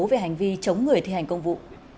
về hành vi chống người thi hành công vụ